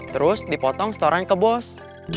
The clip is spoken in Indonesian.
terus dipotong setoran ke bos